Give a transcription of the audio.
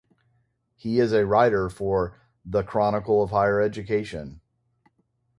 He is a writer for "The Chronicle of Higher Education".